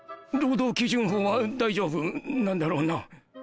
労働基準法は大丈夫なんだろうな？